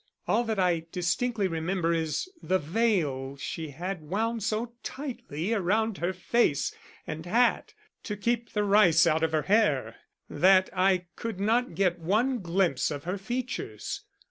All that I distinctly remember is the veil she had wound so tightly around her face and hat to keep the rice out of her hair that I could not get one glimpse of her features.